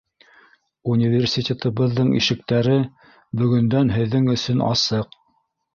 Университетыбыҙҙың ишектәре бөгөндән һеҙҙең өсөн асыҡ!